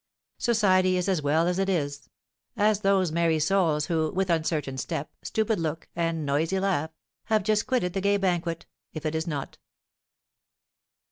Society is as well as it is. Ask those merry souls, who, with uncertain step, stupid look, and noisy laugh, have just quitted the gay banquet, if it is not.